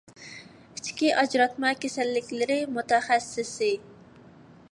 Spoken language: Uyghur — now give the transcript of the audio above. ئىچكى ئاجراتما كېسەللىكلىرى مۇتەخەسسىسى